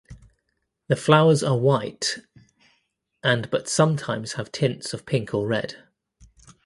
The flowers are white and but sometimes have tints of pink or red.